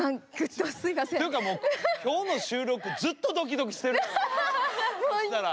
というかもう今日の収録ずっとドキドキしてるやろ？